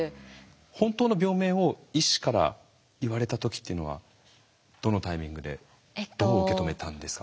本当の病名を医師から言われた時っていうのはどのタイミングでどう受け止めたんですか？